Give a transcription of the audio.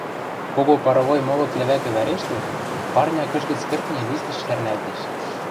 кого паровой молот лӹвӓкӹ вӓрештӹн, парня кӹжгӹц кӹртни листӹш сӓрнӓлтеш